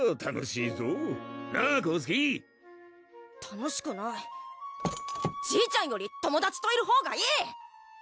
楽しくないじいちゃんより友達といるほうがいい！